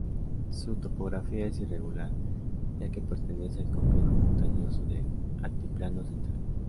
Su topografía es irregular, ya que pertenece al complejo montañoso del Altiplano Central.